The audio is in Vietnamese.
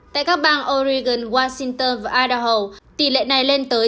tại các bang oregon washington và idaho tỷ lệ này lên tới chín mươi sáu ba